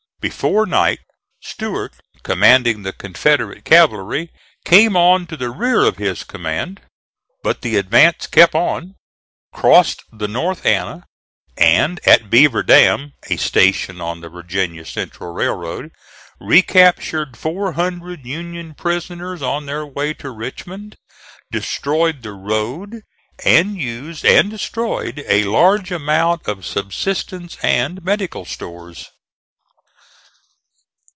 Before night Stuart, commanding the Confederate cavalry, came on to the rear of his command. But the advance kept on, crossed the North Anna, and at Beaver Dam, a station on the Virginia Central Railroad, recaptured four hundred Union prisoners on their way to Richmond, destroyed the road and used and destroyed a large amount of subsistence and medical stores.